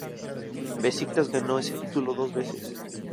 Beşiktaş ganó ese título dos veces.